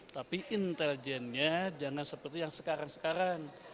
tapi intelijennya jangan seperti yang sekarang sekarang